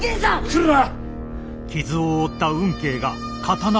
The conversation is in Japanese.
来るな！